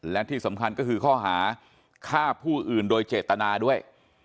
และที่สำคัญก็คือข้อหาฆ่าผู้อื่นโดยเจตนาด้วย